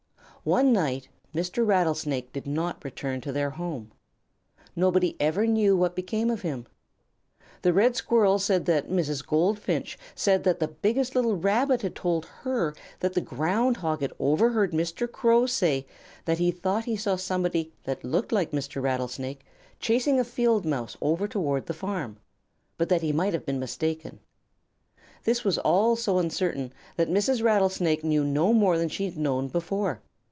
One night Mr. Rattlesnake did not return to their home. Nobody ever knew what had become of him. The Red Squirrel said that Mrs. Goldfinch said that the biggest little Rabbit had told her that the Ground Hog had overheard Mr. Crow say that he thought he saw somebody that looked like Mr. Rattlesnake chasing a Field Mouse over toward the farm, but that he might have been mistaken. This was all so uncertain that Mrs. Rattlesnake knew no more than she had known before.